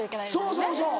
そうそうそう。